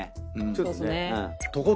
ちょっとね。